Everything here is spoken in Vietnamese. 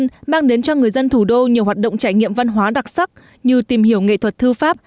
đã mang đến cho người dân thủ đô nhiều hoạt động trải nghiệm văn hóa đặc sắc như tìm hiểu nghệ thuật thư pháp